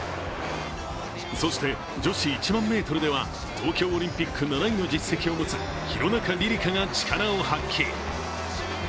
そして、女子１００００ｍでは東京オリンピック７位の実績を持つ廣中璃梨佳が力を発揮。